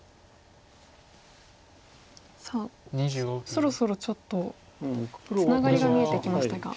さあそろそろちょっとツナガリが見えてきましたが。